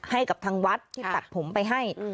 ให้กับทางวัดที่ตัดผมไปให้